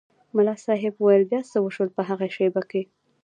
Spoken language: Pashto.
ملا صاحب وویل بیا څه وشول په هغې شېبه کې.